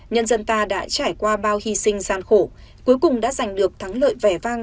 nhân dân ta đã trải qua bao hy sinh gian khổ cuối cùng đã giành được thắng lợi vẻ vang